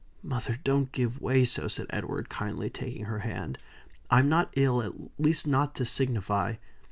"Mother, don't give way so," said Edward, kindly, taking her hand. "I'm not ill, at least not to signify.